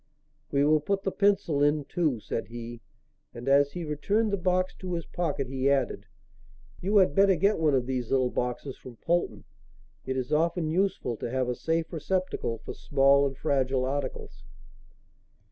"We will put the pencil in too," said he; and, as he returned the box to his pocket he added: "you had better get one of these little boxes from Polton. It is often useful to have a safe receptacle for small and fragile articles."